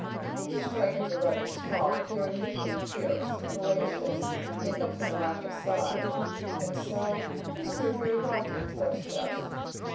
These dragons are rather small, but they are unusually fierce and voracious, to make up for their lack of size. And so they serve very well to interest us.